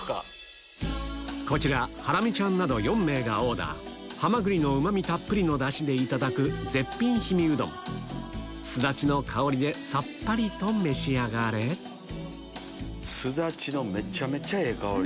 こちらハラミちゃんなど４名がオーダーハマグリのうま味たっぷりのダシでいただく絶品氷見うどんスダチの香りでさっぱりと召し上がれスダチのめちゃめちゃええ香り。